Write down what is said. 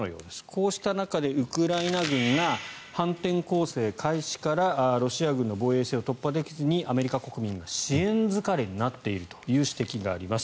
こうした中でウクライナ軍が反転攻勢開始からロシア軍の防衛線を突破できずにアメリカ国民は支援疲れになっているという指摘があります。